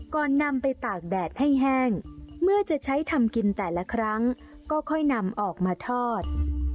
ก่อนนำไปตากแดดให้แห้งเมื่อจะใช้ทำกินแต่ละครั้งก็ค่อยนำออกมาทอด